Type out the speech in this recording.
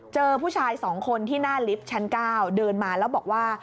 เจอผู้ชาย๒คนที่หน้าลิฟท์ชั้น๙เดินมาแล้วบอกว่า